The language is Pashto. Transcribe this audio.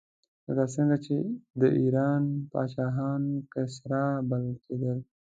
لکه څنګه چې د ایران پاچاهان کسرا بلل کېدل.